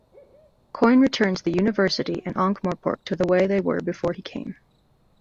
Coin returns the University and Ankh-Morpork to the way they were before he came.